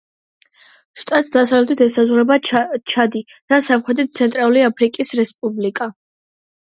შტატს დასავლეთით ესაზღვრება ჩადი და სამხრეთით ცენტრალური აფრიკის რესპუბლიკა.